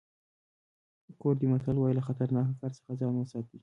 کوردي متل وایي له خطرناکه کار څخه ځان وساتئ.